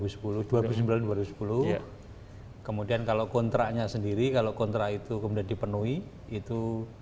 sekitar tahun dua ribu sepuluh dua ribu sembilan belas dua ribu sepuluh kemudian kalau kontraknya sendiri kalau kontrak itu kemudian dipenuhi itu dua ribu sebelas dua ribu dua belas